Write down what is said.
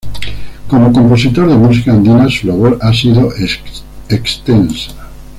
Como compositor de música andina su labor ha sido extensa.